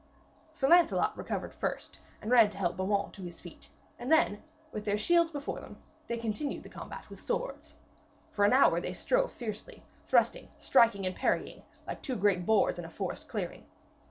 Sir Lancelot recovered first and ran to help Beaumains to his feet, and then, with their shields before them, they continued the combat with swords. For an hour they strove fiercely, thrusting, striking and parrying like two great boars in a forest clearing.